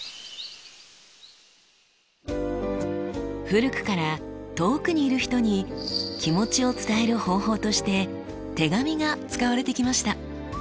古くから遠くにいる人に気持ちを伝える方法として手紙が使われてきました。